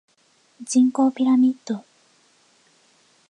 人口ピラミッド